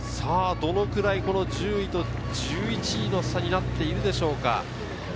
どのくらいの１０位と１１位の差になっているでしょうか。